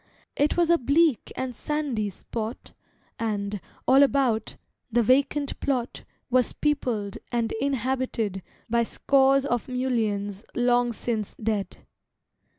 It was a bleak and sandy spot, And, all about, the vacant plot Was peopled and inhabited By scores of mulleins long since dead.